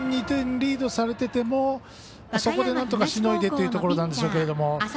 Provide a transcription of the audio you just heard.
１点２点リードされててもそこで、なんとかしのいでというところなんでしょうが。